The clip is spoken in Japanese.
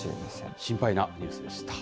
心配なニュースでした。